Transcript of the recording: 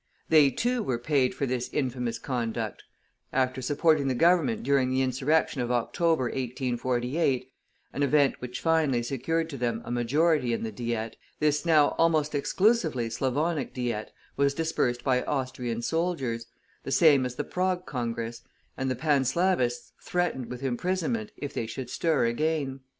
They, too, were paid for this infamous conduct; after supporting the Government during the insurrection of October, 1848, an event which finally secured to them a majority in the Diet, this now almost exclusively Slavonic Diet was dispersed by Austrian soldiers, the same as the Prague Congress, and the Panslavists threatened with imprisonment if they should stir again.